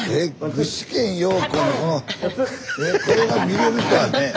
具志堅用高のこのねこれが見れるとはねえ。